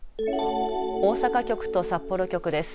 大阪局と札幌局です。